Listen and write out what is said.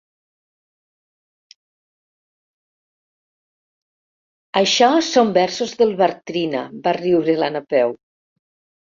Això són versos del Bartrina —va riure la Napeu.